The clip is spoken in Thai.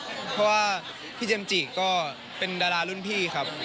เพราะว่าพี่เจมส์จิก็เป็นดารารุ่นพี่ครับ